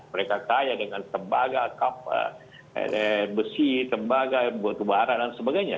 mereka kaya dengan tembaga kap besi tembaga tubara dan sebagainya